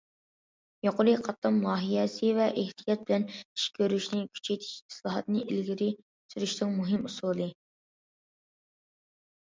يۇقىرى قاتلام لايىھەسى ۋە ئېھتىيات بىلەن ئىش كۆرۈشنى كۈچەيتىش ئىسلاھاتنى ئىلگىرى سۈرۈشنىڭ مۇھىم ئۇسۇلى.